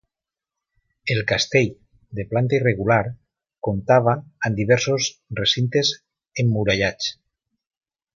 El castell, de planta irregular, comptava amb diversos recintes emmurallats.